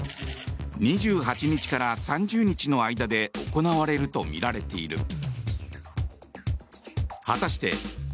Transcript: ２８日から３０日の間で行われるとみられている。